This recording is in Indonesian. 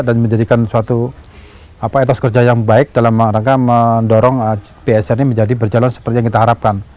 dan menjadikan suatu etos kerja yang baik dalam rangka mendorong psr ini menjadi berjalan seperti yang kita harapkan